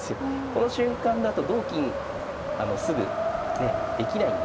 この瞬間だと同金直ねできないんですよね。